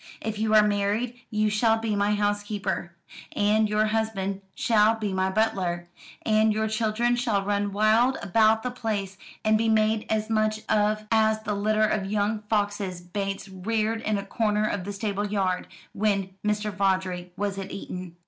If you are married you shall be my housekeeper, and your husband shall be my butler, and your children shall run wild about the place, and be made as much of as the litter of young foxes Bates reared in a corner of the stable yard, when Mr. Vawdrey was at Eton."